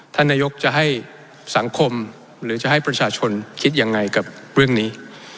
ท่านนายกจะให้สังคมหรือจะให้ประชาชนคิดยังไงกับเรื่องนี้